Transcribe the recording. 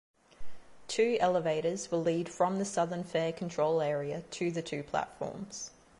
Two elevators will lead from the southern fare control area to the two platforms.